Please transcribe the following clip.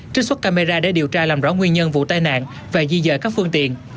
trích xuất camera để điều tra làm rõ nguyên nhân vụ tai nạn và di dời các phương tiện